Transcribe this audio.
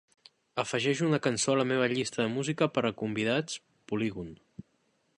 Afegeix una cançó a la meva llista de música per a convidats Polygon